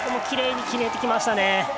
きれいに決めてきましたね。